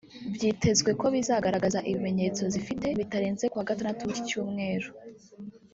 byitezwe ko bizagaragaza ibimenyetso zifite bitarenze kuwa Gatandatu w’iki cyumweru